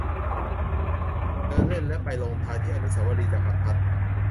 เดินเล่นและไปลงท้ายที่อนุสาวรีย์จักรพรรดิ์